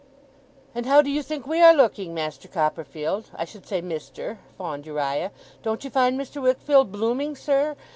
'And how do you think we are looking, Master Copperfield, I should say, Mister?' fawned Uriah. 'Don't you find Mr. Wickfield blooming, sir?